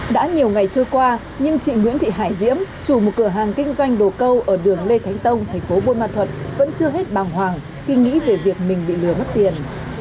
đã nhiều ngày trôi qua nhưng chị nguyễn thị hải diễm chủ một cửa hàng kinh doanh đồ câu ở đường lê thánh tông thành phố buôn ma thuật vẫn chưa hết bàng hoàng khi nghĩ về việc mình bị lừa mất tiền